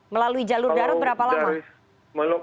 melalui jalur darat berapa lama